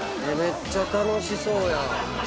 めっちゃ楽しそうやん。